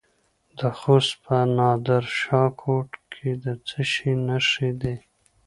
د خوست په نادر شاه کوټ کې د څه شي نښې دي؟